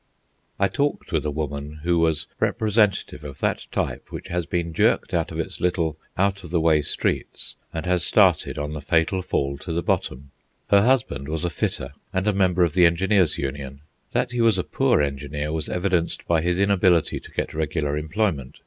I talked with a woman who was representative of that type which has been jerked out of its little out of the way streets and has started on the fatal fall to the bottom. Her husband was a fitter and a member of the Engineers' Union. That he was a poor engineer was evidenced by his inability to get regular employment.